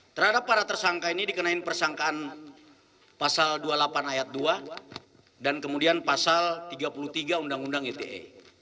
terhadap para tersangka ini dikenain persangkaan pasal dua puluh delapan ayat dua dan kemudian pasal tiga puluh tiga undang undang ite